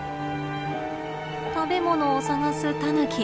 食べものを探すタヌキ。